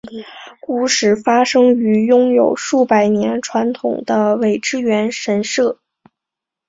故事发生于拥有数百年传统的苇之原神社。